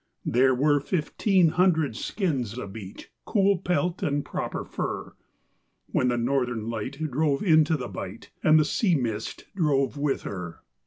There were fifteen hundred skins abeach, cool pelt and proper fur, When the Northern Light drove into the bight and the sea mist drove with her.